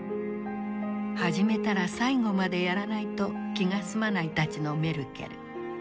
始めたら最後までやらないと気が済まないたちのメルケル。